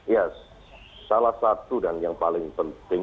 ya salah satu dan yang paling penting